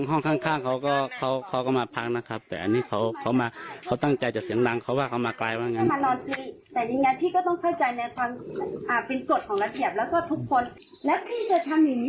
ห้องข้างเขาก็มาพักนะครับแต่อันนี้เขาตั้งใจจะเสียงดังเขาว่าเขามาไกลบ้างนะครับ